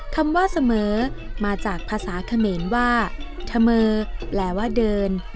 คำว่าเสมอมาจากภาษาเขมรว่าเสมอแปลว่าเดิน